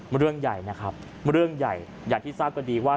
เรื่องใหญ่นะครับเรื่องใหญ่อย่างที่ทราบกันดีว่า